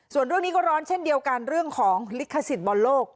ส่วนเรื่องนี้ก็ร้อนเช่นเดียวกันเรื่องของลิขสิทธิ์บอลโลก